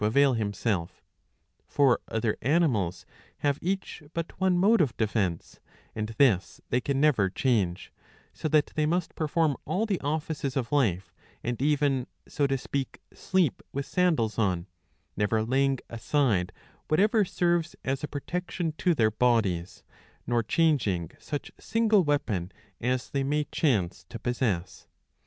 avail himself For other animals have each but one mode of defence, and this they can never change; so that they must perform all the offices of life and even, so to speak, sleep with sandals on, never laying aside whatever serves as a protection to their bodies, nor changing such single weapon as they may chance to possess.